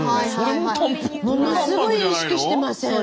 ものすごい意識してません？